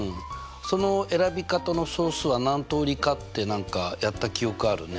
その選び方の総数は何通りかって何かやった記憶あるね。